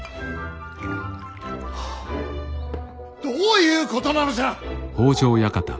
どういうことなのじゃ！